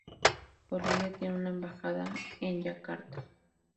Colombia tiene una embajada en Yakarta.